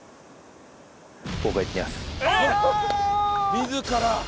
自ら！